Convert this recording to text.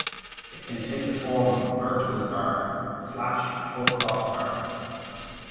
It can take the form of a vertical bar, slash, or crossbar.